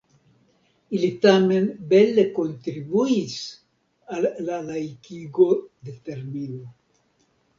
Ili tamen bele kontribuis al la laikigo de termino.